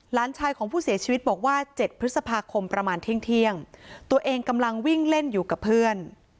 หลานชายของผู้เสียชีวิตบอกว่า๗พฤษภาคมประมาณเที่ยงตัวเองกำลังวิ่งเล่นอยู่กับเพื่อน